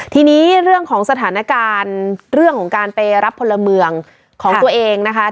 ทีนี้เรื่องของสถานการณ์เรื่องของการไปรับพลเมืองของตัวเองนะคะ